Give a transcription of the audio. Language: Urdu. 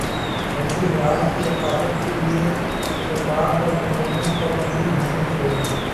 جنگلی حیات کی حفاظت کے لیے شکار پر مکمل پابندی ہونی چاہیے